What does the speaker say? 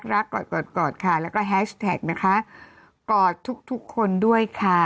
กอดกอดกอดค่ะแล้วก็แฮชแท็กนะคะกอดทุกทุกคนด้วยค่ะ